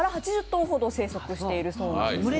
６０８０頭ほど生息しているそうですね。